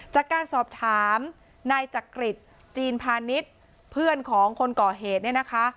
จากการสอบถามนายจักริตจีนพาณิชย์เพื่อนของคนก่อเหตุเนี่ยนะคะ